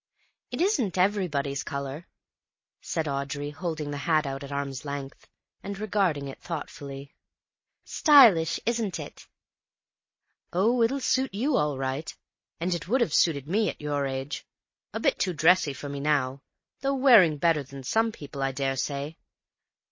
"It isn't everybody's colour," said Audrey, holding the hat out at arm's length, and regarding it thoughtfully. "Stylish, isn't it?" "Oh, it'll suit you all right, and it would have suited me at your age. A bit too dressy for me now, though wearing better than some other people, I daresay.